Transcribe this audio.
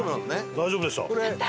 大丈夫でした。